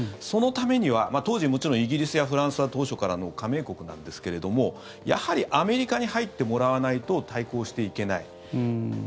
そのためには、当時もちろんイギリスやフランスは当初からの加盟国なんですけれどもやはりアメリカに入ってもらわないと対抗していけない。